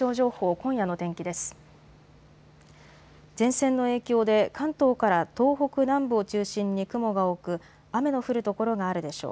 前線の影響で関東から東北南部を中心に雲が多く雨の降る所があるでしょう。